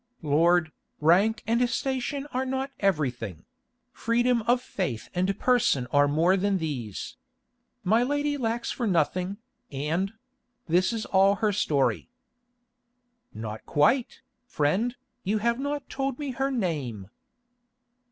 "Lord, rank and station are not everything; freedom of faith and person are more than these. My lady lacks for nothing, and—this is all her story." "Not quite, friend; you have not told me her name."